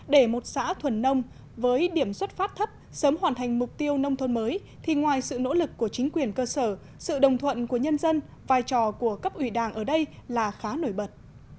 để một xã thuần nông với điểm xuất phát thấp sớm hoàn thành mục tiêu nông thôn mới thì ngoài sự nỗ lực của chính quyền cơ sở sự đồng thuận của nhân dân vai trò của cấp ủy đảng ở đây là khá nổi bật